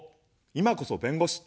いまこそ弁護士。